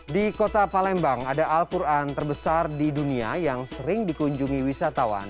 di kota palembang ada al quran terbesar di dunia yang sering dikunjungi wisatawan